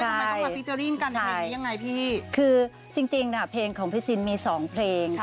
ใช่ทำไมต้องแบบยังไงพี่คือจริงจริงน่ะเพลงของพี่จินมีสองเพลงใช่